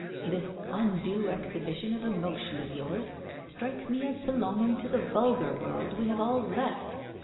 This undue exhibition of emotion of yours strikes me as belonging to the vulgar world we have all left.